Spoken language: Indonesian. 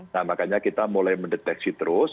nah makanya kita mulai mendeteksi terus